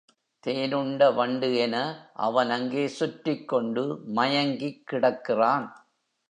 தேன் உண்ட வண்டு என அவன் அங்கே சுற்றிக் கொண்டு மயங்கிக் கிடக்கிறான்.